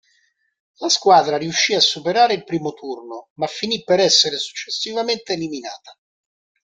La squadra riuscì a superare il primo turno ma finì per essere successivamente eliminata.